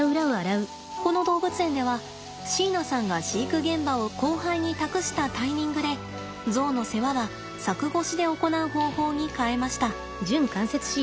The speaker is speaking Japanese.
この動物園では椎名さんが飼育現場を後輩に託したタイミングでゾウの世話は柵越しで行う方法に変えました。